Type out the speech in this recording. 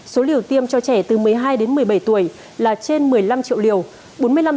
số liều tiêm cho trẻ từ một mươi hai đến một mươi bảy tuổi là trên một mươi năm triệu liều